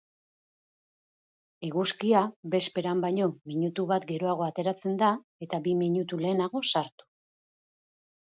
Eguzkia bezperan baino minutu bat geroago ateratzen da eta bi minutu lehenago sartu.